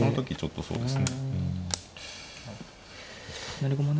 そうですね。